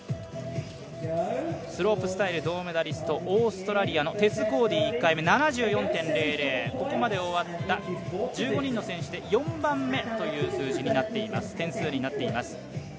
スロープスタイル銅メダリストオーストラリアのテス・コーディ、１回目７４．００、ここまで終わった１５人の選手で４番目という点数になっています。